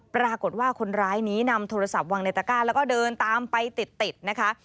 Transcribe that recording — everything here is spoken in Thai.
ปรากฏว่าคนร้ายนี้นำโทรศัพท์วางในตะก้าแล้วก็เดินตามไปติดนะคะ